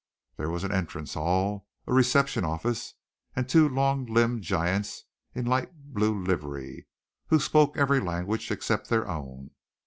There was an entrance hall, a reception office, and two long limbed giants in light blue livery, who spoke every language except their own.